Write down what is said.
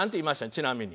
ちなみに。